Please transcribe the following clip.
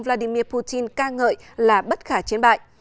vladimir putin ca ngợi là bất khả chiến bại